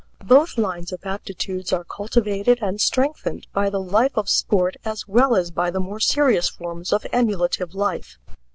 Both lines of aptitudes are cultivated and strengthened by the life of sport as well as by the more serious forms of emulative life.